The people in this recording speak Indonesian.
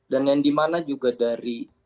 dan yang dimana juga dari